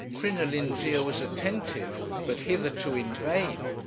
Crinoline's ear was attentive, but hitherto in vain.